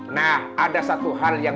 nah ada satu hal yang